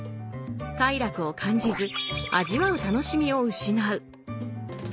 快楽を感じず味わう楽しみを失う。